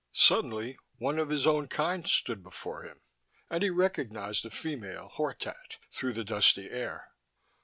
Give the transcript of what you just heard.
Suddenly, one of his own kind stood before him, and he recognized a female, Hortat, through the dusty air.